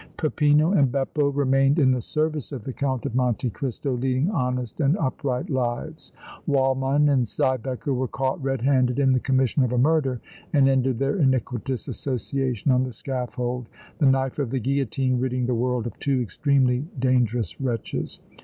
Peppino and Beppo remained in the service of the Count of Monte Cristo, leading honest and upright lives. Waldmann and Siebecker were caught red handed in the commission of a murder and ended their iniquitous association on the scaffold, the knife of the guillotine ridding the world of two extremely dangerous wretches.